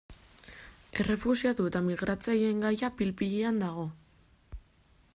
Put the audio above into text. Errefuxiatu eta migratzaileen gaia pil-pilean dago.